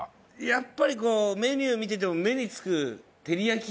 やっぱりメニュー見てても目につくてりやき。